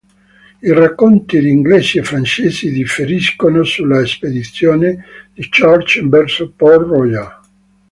I racconti di inglesi e francesi differiscono sulla spedizione di Church verso Port Royal.